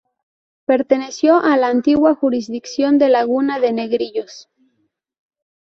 Perteneció a la antigua Jurisdicción de Laguna de Negrillos.